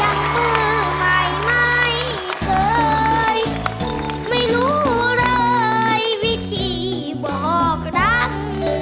มือใหม่ไม่เคยไม่รู้เลยวิธีบอกรัก